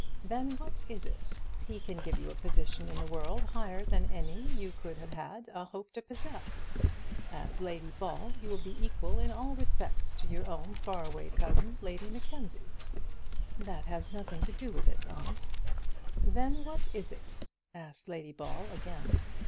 "Then what is it? He can give you a position in the world higher than any you could have had a hope to possess. As Lady Ball you will be equal in all respects to your own far away cousin, Lady Mackenzie." "That has nothing to do with it, aunt." "Then what is it?" asked Lady Ball again.